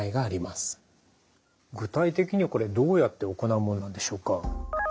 具体的にはこれはどうやって行うものなんでしょうか？